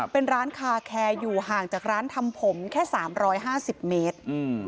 เป็นร้านคาแคร์อยู่ห่างจากร้านทำผมแค่๓๕๐เมตร